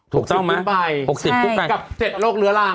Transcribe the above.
ถูกต้องมั้ย๖๐กลุ่มไปกับ๗โรคเนื้อร่าง